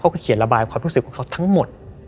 เขียนระบายความรู้สึกของเขาทั้งหมด